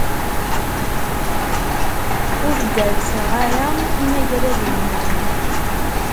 Ur derrseɣ ara imagraden-nwen.